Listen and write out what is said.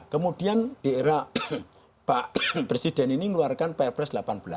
kemudian di era pak presiden ini mengeluarkan perpres delapan belas